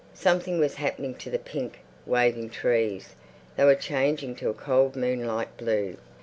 Something was happening to the pink, waving trees; they were changing to a cold moonlight blue.